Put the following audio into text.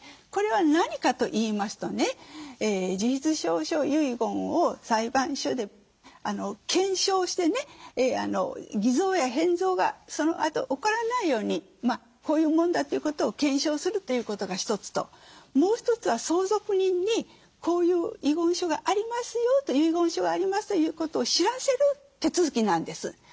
これは何かと言いますとね自筆証書遺言を裁判所で検証してね偽造や変造がそのあと起こらないようにこういうもんだということを検証するということが一つともう一つは相続人にこういう遺言書がありますよと遺言書がありますということを知らせる手続きなんです。